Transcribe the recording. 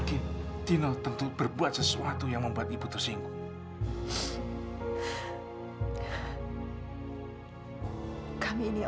gara gara tuh ibu keserian sholat di rumah ini